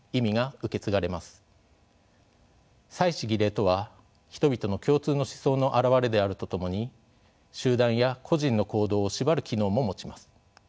祭祀・儀礼とは人々の共通の思想の表れであるとともに集団や個人の行動を縛る機能も持ちます。